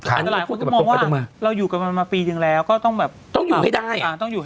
อันนี้คนมองว่าเราอยู่กับมันมาปีนึงแล้วก็ต้องอยู่ให้ได้